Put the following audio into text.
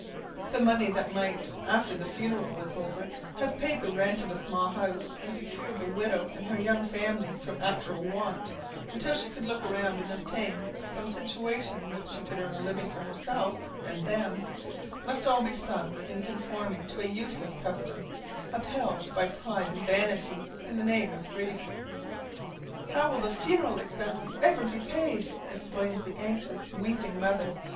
The money that might, after the funeral was over, have paid the rent of a small house, and secured the widow and her young family from actual want, until she could look around and obtain some situation in which she could earn a living for herself and them, must all be sunk in conforming to a useless custom, upheld by pride and vanity in the name of grief. "How will the funeral expenses ever be paid?" exclaims the anxious, weeping mother.